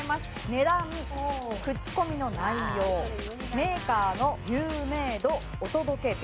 値段口コミの内容メーカーの有名度お届け日